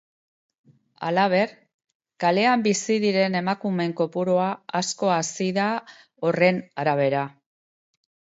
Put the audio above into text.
Halaber, kalean bizi diren emakumeen kopurua asko hazi da, horren arabera.